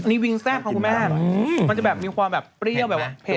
นี่วิงแซ่บของคุณแม่มันจะแบบมีความแบบเปรี้ยวแบบว่าเผ็ด